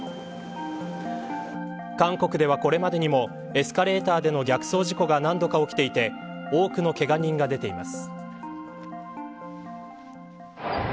韓国ではこれまでにもエスカレーターでの逆走事故が何度か起きていて多くのけが人が出ています。